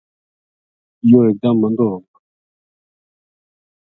یوہ ایک دم مُندو ہو گیو